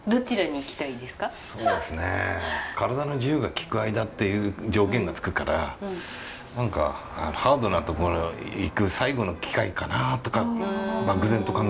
体の自由がきく間っていう条件がつくからハードな所行く最後の機会かなとか漠然と考えてますね。